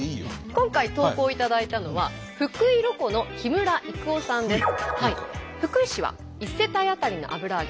今回投稿いただいたのは福井ロコの木村郁夫さんです。